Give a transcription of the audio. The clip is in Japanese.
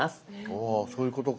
あそういうことか。